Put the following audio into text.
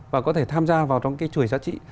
và có thể tham gia vào trong cái chuỗi giá trị